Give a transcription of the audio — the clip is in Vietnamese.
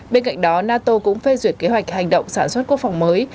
bên cạnh đó nato cũng phê duyệt kế hoạch hành động sản xuất quốc phòng mới